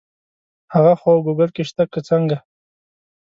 هغه خو ګوګل کې شته که څنګه.